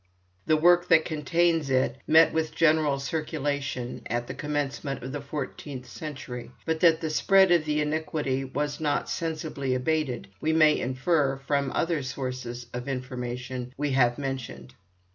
The work that contains it met with general circulation at the commencement of the fourteenth century, but that the spread of the iniquity was not sensibly abated we may infer from other sources of information we have mentioned.